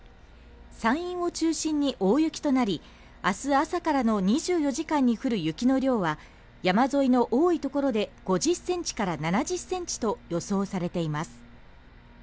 山陰を中心に大雪となりあす朝からの２４時間に降る雪の量は山沿いの多い所で５０センチから７０センチと予想されています